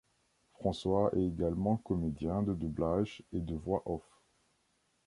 François est également comédien de doublage et de voix off.